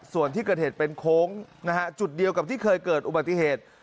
ส่วนที่เกิดเหตุเป็นโค้งนะฮะจุดเดียวกับที่เคยเกิดอุบัติเหตุ